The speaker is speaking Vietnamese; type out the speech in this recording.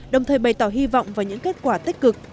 đồng thời bày tỏ hy vọng vào những kết quả tích cực